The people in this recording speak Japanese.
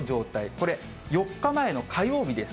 これ、４日前の火曜日です。